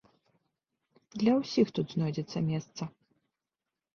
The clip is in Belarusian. Для ўсіх тут знойдзецца месца.